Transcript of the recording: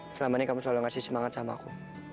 selama ini kamu selalu ngasih semangat sama aku